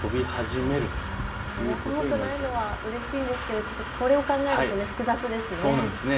寒くないのはうれしいんですけれどもこれを考えると複雑ですね。